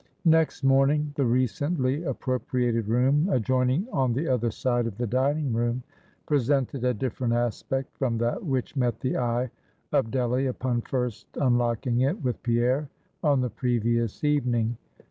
Next morning, the recently appropriated room adjoining on the other side of the dining room, presented a different aspect from that which met the eye of Delly upon first unlocking it with Pierre on the previous evening.